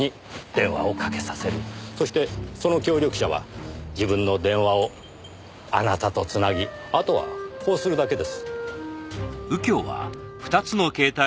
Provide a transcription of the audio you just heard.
そしてその協力者は自分の電話をあなたと繋ぎあとはこうするだけです。